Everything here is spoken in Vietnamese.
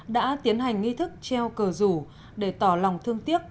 đã tiến hành nghi thức treo cờ rủ để tỏ lòng thương tiếc